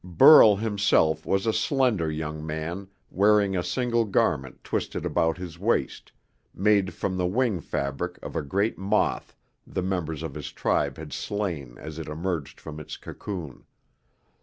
Burl himself was a slender young man wearing a single garment twisted about his waist, made from the wing fabric of a great moth the members of his tribe had slain as it emerged from its cocoon.